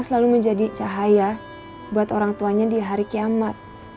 selalu menjadi cahaya buat orang tuanya di hari kiamat